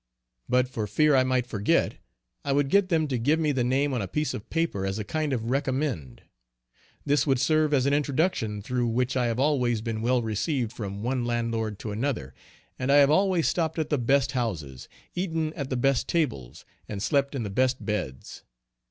But for fear I might forget, I would get them to give me the name on a piece of paper as a kind of recommend. This would serve as an introduction through which I have always been well received from one landlord to another, and I have always stopped at the best houses, eaten at the first tables, and slept in the best beds.